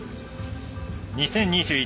２０２１